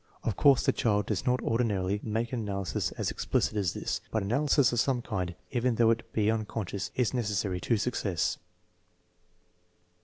Of course the child does not or dinarily make an analysis as explicit as this; but analysis of some kind, even though it be unconscious, is necessary to success.